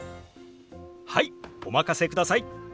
はいお任せください。